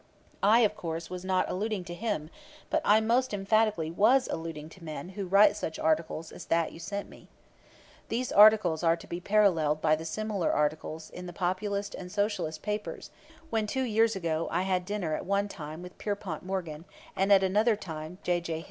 I, of course, was not alluding to him; but I most emphatically was alluding to men who write such articles as that you sent me. These articles are to be paralleled by the similar articles in the Populist and Socialist papers when two years ago I had at dinner at one time Pierpont Morgan, and at another time J. J.